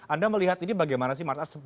anda melihat ini bagaimana sih mas ars